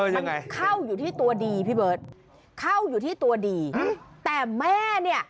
มันเข้าอยู่ที่ตัวดีพี่เบิร์ตเข้าอยู่ที่ตัวดีแต่แม่เนี่ย